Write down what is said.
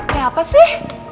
kayak apa sih